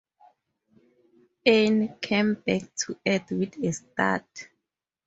Anne came back to earth with a start.